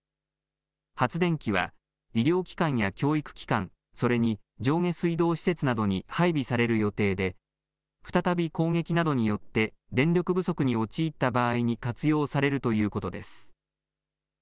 発電機は医療機関や教育機関、それに上下水道施設などに配備される予定で再び攻撃などによって電力不足に陥った場合に活用されるということです。